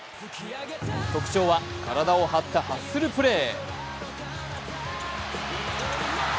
特徴は体を張ったハッスルプレー。